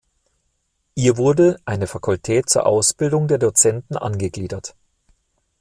Ihr wurde eine Fakultät zur Ausbildung der Dozenten angegliedert.